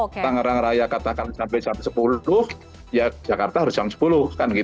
kalau tanggerang raya katakan sampai sepuluh ya jakarta harus yang sepuluh